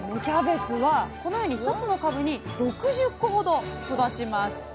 キャベツはこのように１つの株に６０個ほど育ちます。